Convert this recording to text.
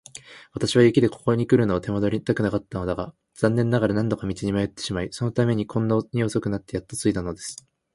私は雪でここにくるのを手間取りたくなかったのだが、残念ながら何度か道に迷ってしまい、そのためにこんなに遅くなってやっと着いたのです。